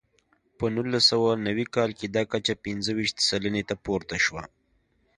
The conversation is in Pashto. په نولس سوه نوي کال کې دا کچه پنځه ویشت سلنې ته پورته شوه.